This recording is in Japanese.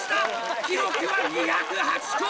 記録は２０８個！